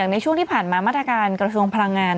ในช่วงที่ผ่านมามาตรการกระทรวงพลังงาน